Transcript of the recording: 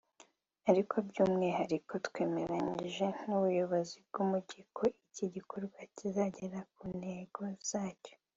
ariko by’umwihariko twemeranyije n’ubuyobozi bw’umujyi ko iki gikorwa kizagera ku ntego zacyo